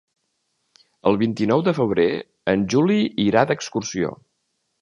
El vint-i-nou de febrer en Juli irà d'excursió.